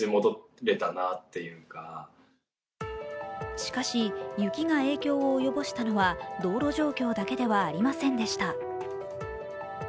しかし、雪が影響を及ぼしたのは道路状況だけではありませんでした。